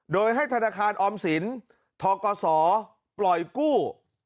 โดยให้ธนาคารออมสินทกศปล่อยกู้